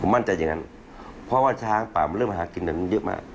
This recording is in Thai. มั่นใจอย่างนั้นเพราะว่าช้างป่ามันเริ่มมาหากินแบบมันเยอะมาก